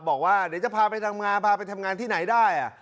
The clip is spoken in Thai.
บอกว่าเดี๋ยวจะพาไปทำงานพาไปทำงานที่ไหนได้